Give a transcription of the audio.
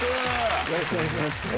よろしくお願いします。